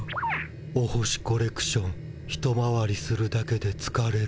お星コレクション一回りするだけでつかれる。